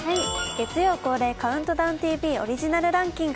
月曜恒例「ＣＤＴＶ」オリジナルランキング。